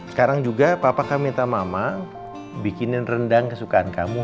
sekarang juga papa kamu minta mama bikinin rendang kesukaan kamu